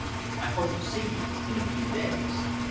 I hope to see you in a few days.